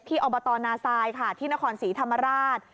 อบตนาซายค่ะที่นครศรีธรรมราช